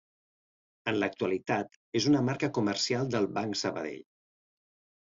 En l'actualitat és una marca comercial del Banc Sabadell.